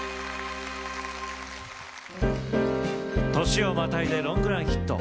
年をまたいでロングランヒット。